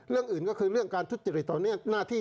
เรื่องอื่นก็คือเรื่องการทุจริตตอนนี้หน้าที่